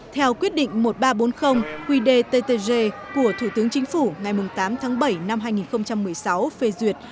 theo quyết định một nghìn ba trăm bốn mươi quy đề ttg của thủ tướng chính phủ ngày tám tháng bảy năm hai nghìn một mươi sáu phê duyệt